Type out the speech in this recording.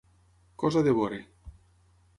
Cosa de veure.